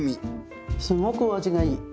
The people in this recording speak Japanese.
すごくお味がいい。